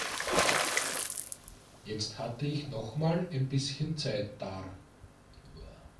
Jetzt hatte ich nochmal ein bisschen Zeit dar